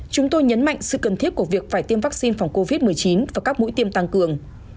chúng tôi nhấn mạnh sự cần thiết của việc phải tiêm vaccine phòng covid một mươi chín và các mũi tiêm tăng cường